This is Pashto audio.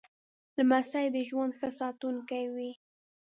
لمسی د ژوند ښه ساتونکی وي.